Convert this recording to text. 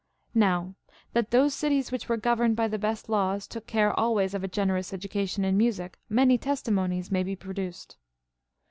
42. Now that those cities which were governed by the best laws took care always of a generous education in music, many testimonies may be produced.